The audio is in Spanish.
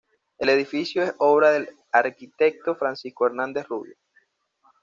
El edificio es obra del arquitecto Francisco Hernández Rubio.